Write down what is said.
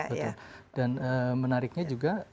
betul dan menariknya juga